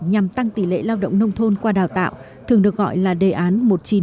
nhằm tăng tỷ lệ lao động nông thôn qua đào tạo thường được gọi là đề án một nghìn chín trăm năm mươi